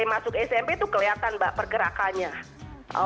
masuk smp itu kelihatan mbak pergerakannya